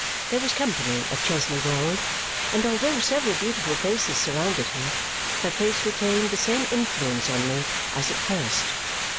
There was company at Chesney Wold; and although several beautiful faces surrounded her, her face retained the same influence on me as at first.